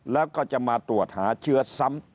แล้วก็จะมาตรวจหาเชื้อซ้ำ